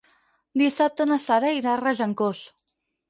Dissabte na Sara irà a Regencós.